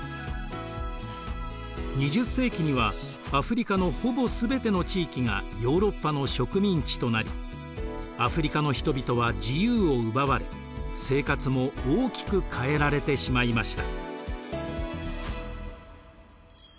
２０世紀にはアフリカのほぼすべての地域がヨーロッパの植民地となりアフリカの人々は自由を奪われ生活も大きく変えられてしまいました。